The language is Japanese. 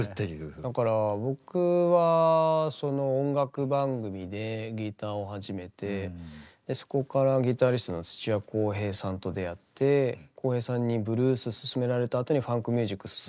だから僕はその音楽番組でギターを始めてそこからギターリストの土屋公平さんと出会って公平さんにブルースすすめられたあとにファンクミュージックすすめられたんですよ。